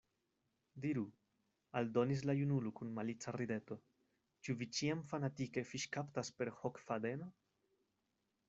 Diru, aldonis la junulo kun malica rideto, ĉu vi ĉiam fanatike fiŝkaptas per hokfadeno?